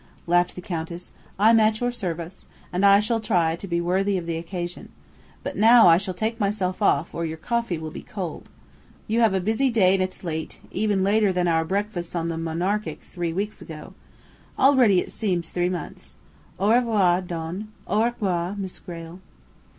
laughed the Countess. "I'm at your service, and I shall try to be worthy of the occasion. But now I shall take myself off, or your coffee will be cold. You have a busy day and it's late even later than our breakfasts on the Monarchic three weeks ago. Already it seems three months. Au revoir, Don. Au revoir, Miss Grayle."